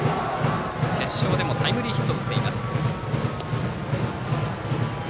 決勝でもタイムリーヒットを打っています。